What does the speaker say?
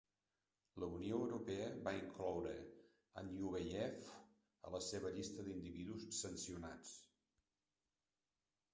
La Unió Europea va incloure Antyufeyev a la seva llista d'individus sancionats.